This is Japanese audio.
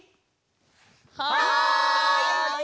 はい！